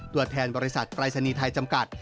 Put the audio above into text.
ตัวแทนบริษัทปรายศนีย์ไทยจำกัด